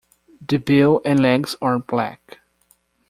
The bill and legs are black.